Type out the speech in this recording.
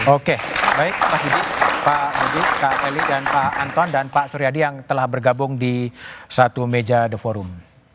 oke baik pak hidik pak elie pak anton dan pak suryadi yang telah bergabung di satu meja the forum